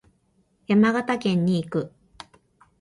山形県に行く。